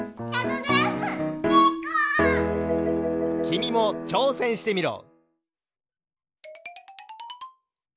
きみもちょうせんしてみろ！